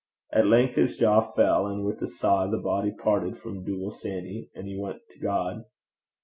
At length his jaw fell, and with a sigh, the body parted from Dooble Sanny, and he went to God.